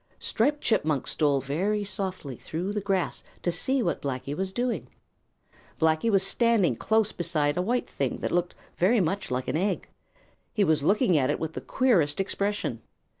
Striped Chipmunk stole very softly through the grass to see what Blacky was doing. Blacky was standing close beside a white thing that looked very much like an egg. He was looking at it with the queerest expression.